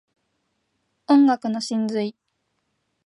音楽の真髄